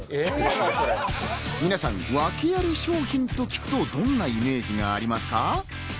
皆さん、訳あり商品と聞くと、どんなイメージがありますか？